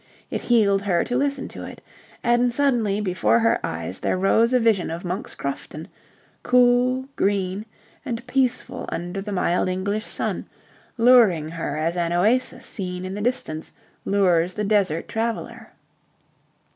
It healed her to listen to it. And suddenly before her eyes there rose a vision of Monk's Crofton, cool, green, and peaceful under the mild English sun, luring her as an oasis seen in the distance lures the desert traveller...